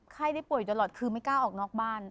ไข้ได้ป่วยตลอดคือไม่กล้าออกนอกบ้าน